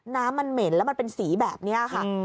น้ำมันเหม็นแล้วมันเป็นสีแบบนี้ค่ะ